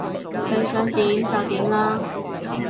你想點就點啦